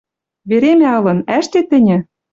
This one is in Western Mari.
Веремӓ ылын, ӓштет тӹньӹ?